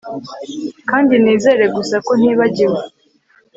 kandi nizere gusa ko ntibagiwe